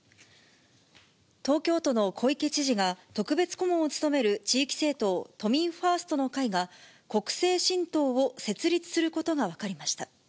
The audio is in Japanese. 東京都の小池知事が特別顧問を務める地域政党、都民ファーストの会が、国政新党を設立することが分かりました。